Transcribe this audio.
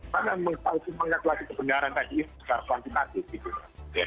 karena mengkalkulasi kebenaran tadi itu secara kuantitatif